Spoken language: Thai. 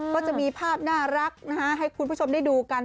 ก็จะมีภาพน่ารักให้คุณผู้ชมได้ดูกัน